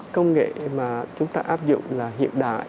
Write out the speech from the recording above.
công nghệ mà chúng ta áp dụng là hiện đại